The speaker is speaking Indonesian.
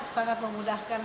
sangat memudahkan kami untuk